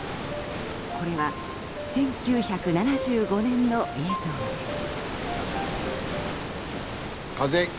これは１９７５年の映像です。